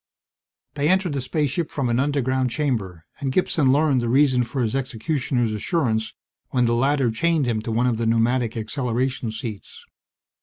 They entered the spaceship from an underground chamber, and Gibson learned the reason for his executioner's assurance when the latter chained him to one of the pneumatic acceleration seats.